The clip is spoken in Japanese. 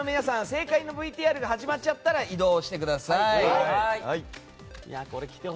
正解のＶＴＲが始まったら移動してください。